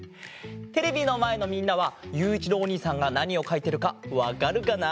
テレビのまえのみんなはゆういちろうおにいさんがなにをかいてるかわかるかな？